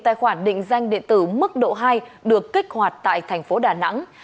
chín mươi tài khoản định danh điện tử mức độ hai được kích hoạt tại thành phố đà nẵng